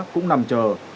cũng nằm chờ